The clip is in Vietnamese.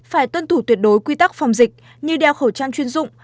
phải tuân thủ tuyệt đối quy tắc phòng dịch như đeo khẩu trang chuyên dụng